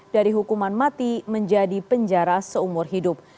dari hukuman mati menjadi penjara seumur hidup